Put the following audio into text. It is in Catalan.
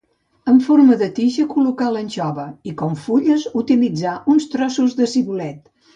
En forma de tija col·locar l'anxova i com fulles utilitzar uns trossos de cibulet.